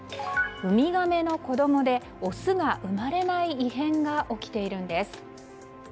ウミガメの子供でオスが生まれない異変が起きているんです。